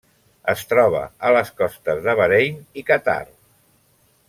Es troba a les costes de Bahrain i Qatar.